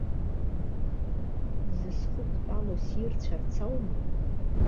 Дзысхықәтәалоу сирцәарц аума?